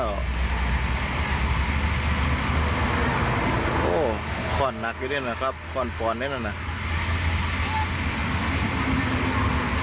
โอ้วก้อนหนักอยู่ดินะครับก้อนป่อนอยู่ดินะครับ